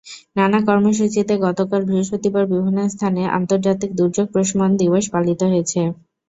নানা কর্মসূচিতে গতকাল বৃহস্পতিবার বিভিন্ন স্থানে আন্তর্জাতিক দুর্যোগ প্রশমন দিবস পালিত হয়েছে।